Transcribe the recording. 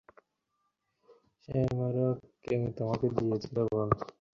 আমরা তো গৃহীদের মত নিজেদের রোজগারের মতলব এঁটে এ কাজ করছি না।